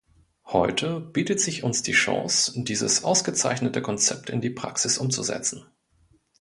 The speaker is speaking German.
Heute bietet sich uns die Chance, dieses ausgezeichnete Konzept in die Praxis umzusetzen.